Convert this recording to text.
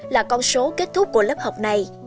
là con số kết thúc của lớp học này